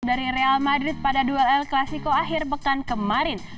dari real madrid pada duel el clasico akhir pekan kemarin